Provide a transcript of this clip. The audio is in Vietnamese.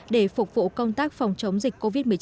để phục vụ công tác phòng chống dịch covid một mươi chín